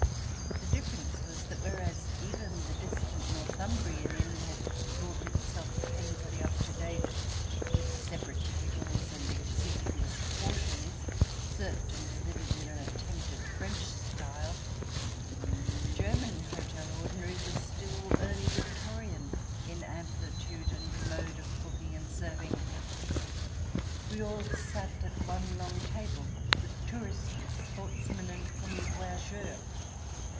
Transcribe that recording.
The differ ence was that whereas even the distant Northum brian inn had brought itself painfully up to date, with separate tables and exiguous portions served and delivered in attempted French style, the German hotel " ordinary " was still Early Victorian in 258 CH. xix] CELLE 259 amplitude and mode of cooking and serving. We all sat at one long table, with tourists, sportsmen, and commis voyageurs.